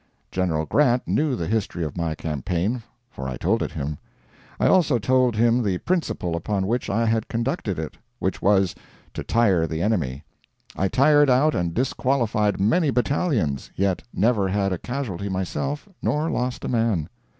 General Grant knew the history of my campaign, for I told it him. I also told him the principle upon which I had conducted it; which was, to tire the enemy. I tired out and disqualified many battalions, yet never had a casualty myself nor lost a man.